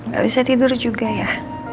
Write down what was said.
gak bisa tidur juga ya